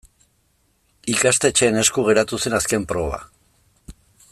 Ikastetxeen esku geratu zen azken proba.